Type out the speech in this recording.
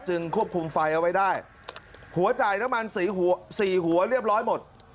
จึงควบคุมไฟเอาไว้ได้หัวจ่ายน้ำมัน๔หัวเรียบร้อยหมด